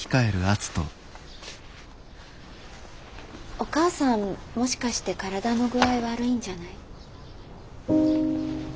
お母さんもしかして体の具合悪いんじゃない？